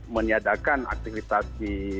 menyadarkan aktivitas di